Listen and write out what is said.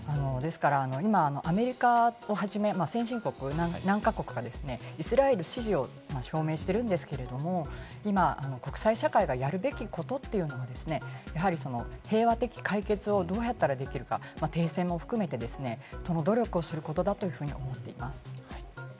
今、アメリカをはじめ、先進国、何か国かイスラエル支持を表明しているんですけれども、今、国際社会がやるべきことというのは、平和的解決をどうやったらできるか、停戦も含めて、その努力をすることだというふうに思っています。